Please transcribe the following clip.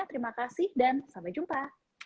terima kasih dan sampai jumpa